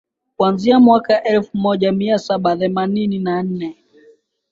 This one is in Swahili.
kuanzia mwaka elfu moja mia saba themanini na nne